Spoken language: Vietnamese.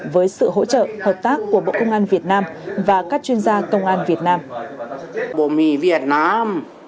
với sự hỗ trợ hợp tác của bộ công an việt nam và các chuyên gia công an việt nam